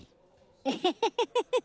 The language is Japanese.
ウフフフフフ。